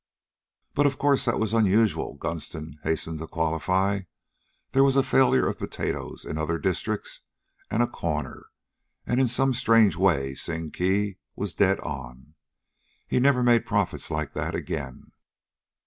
"But, of course, that was unusual," Gunston hastened to qualify. "There was a failure of potatoes in other districts, and a corner, and in some strange way Sing Kee was dead on. He never made profits like that again.